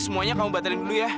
semuanya kamu batalin dulu ya